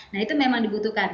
nah itu memang dibutuhkan